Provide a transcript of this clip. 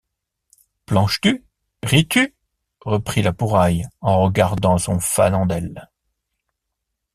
Planches-tu ? ris-tu ? reprit La Pouraille en regardant son fanandel.